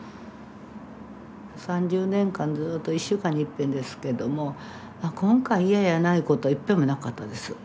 ３０年間ずっと１週間にいっぺんですけども今回嫌やないうことはいっぺんもなかったです。